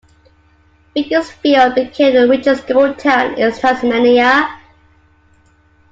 Beaconsfield became the richest gold town in Tasmania.